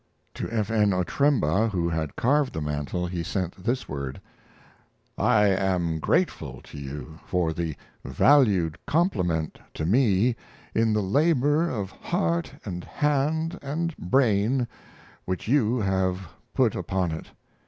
To F. N. Otremba, who had carved the mantel, he sent this word: I am grateful to you for the valued compliment to me in the labor of heart and hand and brain which you have put upon it.